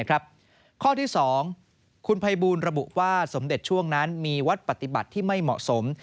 ข้อที่๒คุณภัยบูลระบุว่าสมเด็จช่วงนั้นมีวัดปฏิบัติที่ไม่เหมาะสม